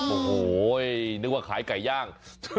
โอ้โหนึกว่าขายไก่ย่าง